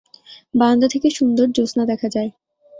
বারান্দা থেকে সুন্দর জোছনা দেখা যায়।